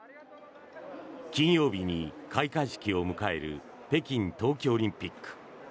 金曜日に開会式を迎える北京冬季オリンピック。